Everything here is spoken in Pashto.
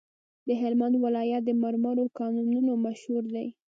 د هلمند ولایت د مرمرو کانونه مشهور دي؟